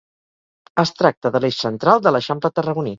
Es tracta de l’eix central de l’Eixample tarragoní.